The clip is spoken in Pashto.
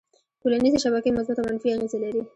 ټولنیزې شبکې مثبت او منفي اغېزې لري.